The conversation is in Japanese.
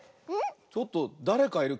ちょっとだれかいる。